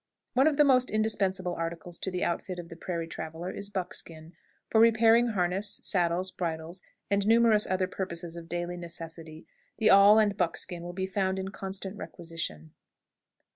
One of the most indispensable articles to the outfit of the prairie traveler is buckskin. For repairing harness, saddles, bridles, and numerous other purposes of daily necessity, the awl and buckskin will be found in constant requisition.